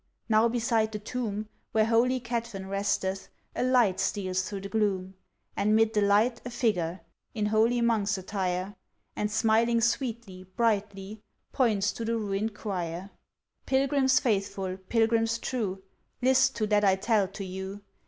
now beside the tomb, Where holy Cadfan resteth, A light steals through the gloom, And 'mid the light a figure, In holy Monk's attire, And smiling sweetly, brightly, Points to the ruined choir. "Pilgrims faithful, Pilgrims true, List to that I tell to you.